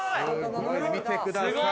見てください。